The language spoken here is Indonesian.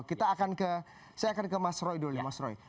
kita akan ke saya akan ke mas roy dulu mas roy